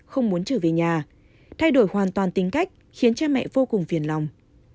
không muốn trở về nhà thay đổi hoàn toàn tính cách khiến cha mẹ vô cùng phiền lòng